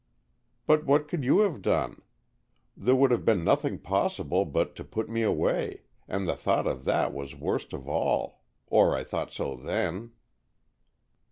"But what could you have done? There would have been nothing possible but to put me away, and the thought of that was worst of all. Or I thought so then."